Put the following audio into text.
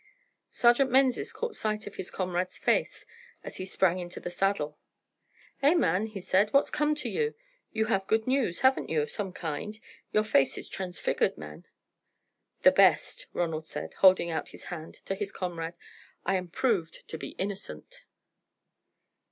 Sergeant Menzies caught sight of his comrade's face as he sprang into the saddle. "Eh, man," he said, "what's come to you? You have good news, haven't you, of some kind? Your face is transfigured, man!" "The best," Ronald said, holding out his hand to his comrade. "I am proved to be innocent."